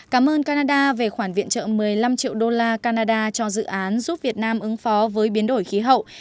cảm ơn canada về khoản viện trợ một mươi năm triệu đô la canada cho dự án giúp việt nam ứng phó với biến đổi khí hậu